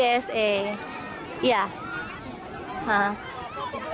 pesawat tempur dari amerika